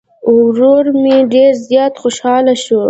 ورور مې ډير زيات خوشحاله شو